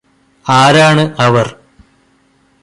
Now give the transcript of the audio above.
ആരാണ് അവർ